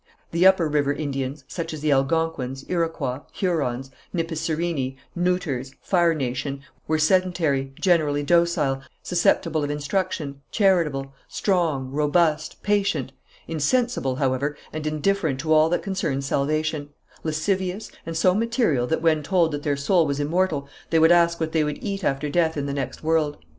The upper river Indians, such as the Algonquins, Iroquois, Hurons, Nipissirini, Neuters, Fire Nation, were sedentary, generally docile, susceptible of instruction, charitable, strong, robust, patient; insensible, however, and indifferent to all that concerns salvation; lascivious, and so material that when told that their soul was immortal, they would ask what they would eat after death in the next world.